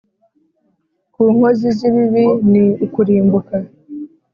ku nkozi z’ibibi ni ukurimbuka